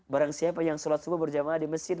barang siapa yang sholat subuh berjamaah di masjid